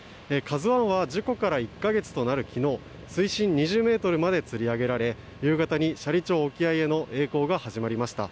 「ＫＡＺＵ１」は事故から１か月となる昨日水深２０ｍまでつり上げられ夕方に斜里町沖合へのえい航が始まりました。